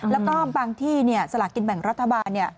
แล้วก็บางที่สลากินแบ่งรัฐบาล